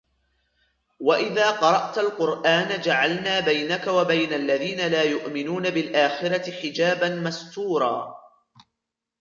وإذا قرأت القرآن جعلنا بينك وبين الذين لا يؤمنون بالآخرة حجابا مستورا